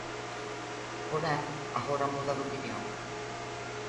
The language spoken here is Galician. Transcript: Porén, agora muda de opinión.